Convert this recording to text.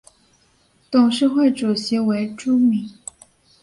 董事会主席为朱敏。